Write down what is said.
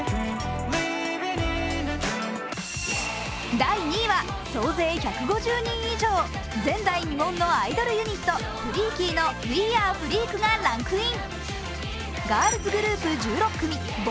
第２位は総勢１５０人以上、前代未聞のアイドルユニット・ＦｒｅｅＫｉｅの「Ｗｅａｒｅ“Ｆｒｅｅｋ”」がランクイン。